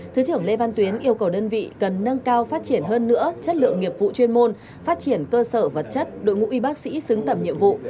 thứ trưởng lê văn tuyến yêu cầu đơn vị cần nâng cao phát triển hơn nữa chất lượng nghiệp vụ chuyên môn phát triển cơ sở vật chất đội ngũ y bác sĩ xứng tầm nhiệm vụ